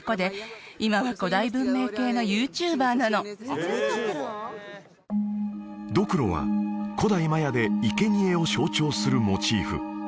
ありがとうだってドクロは古代マヤでいけにえを象徴するモチーフ